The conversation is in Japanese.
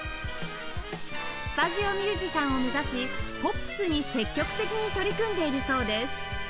スタジオミュージシャンを目指しポップスに積極的に取り組んでいるそうです